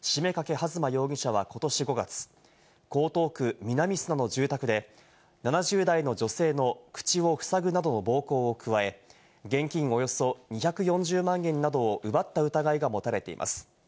弾麻容疑者はことし５月、江東区南砂の住宅で、７０代の女性の口をふさぐなどの暴行を加え、現金およそ２４０万円などを奪った疑いが持たれています。